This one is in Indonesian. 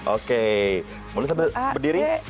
oke boleh saya berdiri